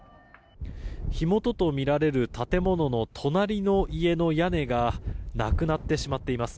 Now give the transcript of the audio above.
火元とみられる建物の隣の家の屋根がなくなってしまっています。